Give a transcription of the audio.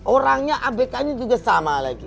orangnya abk nya juga sama lagi